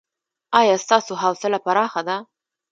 ایا ستاسو حوصله پراخه ده؟